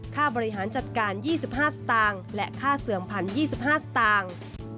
ค่าบริหารจัดการ๒๕สตางค์และค่าเสื่อมพันธ์๒๕สตางค์